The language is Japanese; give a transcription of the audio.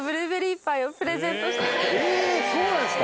えそうなんですか？